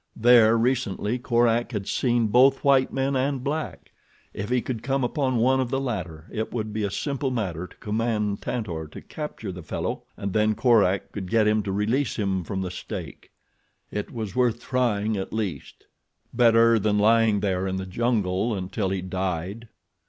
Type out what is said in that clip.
There, recently, Korak had seen both white men and black. If he could come upon one of the latter it would be a simple matter to command Tantor to capture the fellow, and then Korak could get him to release him from the stake. It was worth trying at least—better than lying there in the jungle until he died.